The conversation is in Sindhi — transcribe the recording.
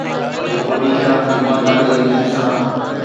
جيڪو ڏينهن رات ايمانداريءَ ۽ دل سان